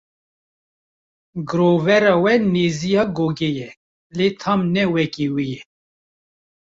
Girovera wê nêzî ya gogê ye, lê tam ne weke wê ye.